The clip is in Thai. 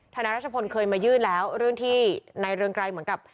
นายรัชพลเคยมายื่นแล้วเรื่องที่นายเรืองไกรเหมือนกับ